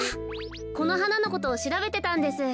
このはなのことをしらべてたんです。